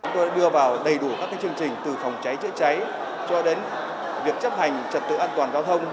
chúng tôi đã đưa vào đầy đủ các chương trình từ phòng cháy chữa cháy cho đến việc chấp hành trật tự an toàn giao thông